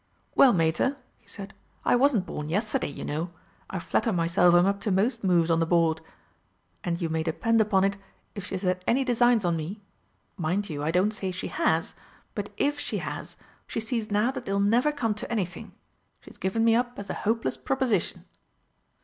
"Well, Mater," he said, "I wasn't born yesterday, you know. I flatter myself I'm up to most moves on the board. And you may depend upon it if she's had any designs on me mind you, I don't say she has but if she has, she sees now that they'll never come to anything. She's given me up as a hopeless proposition."